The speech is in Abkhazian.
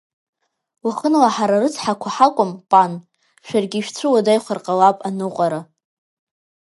Уахынла ҳара рыцҳақәа ҳакәым, пан, шәаргьы ишә-цәуадаҩхар ҟалап аныҟәара.